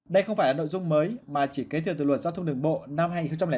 đây không phải là nội dung mới mà chỉ kế thừa từ luật giao thông đường bộ năm hai nghìn bốn